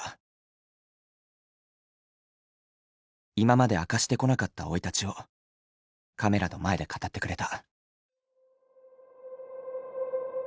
今まで明かしてこなかった生い立ちをカメラの前で語ってくれた。